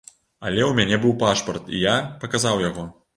Але ў мяне быў пашпарт, і я паказаў яго.